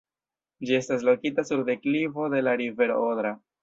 Ĝi estas lokita sur deklivo de la rivero Odra.